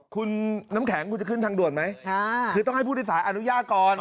คุณน้ำแข็งคุณจะขึ้นทางด่วนไหมคือต้องให้ผู้โดยสารอนุญาตก่อน